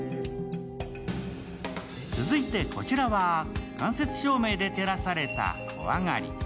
続いて、こちらは間接照明で照らされた小上がり。